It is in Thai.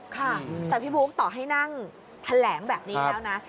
ค่ะแต่พี่บุ๊คต่อให้นั่งแถลงแบบนี้แล้วนะ